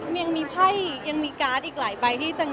จริงช่วงนี้ในละครที่ออนถ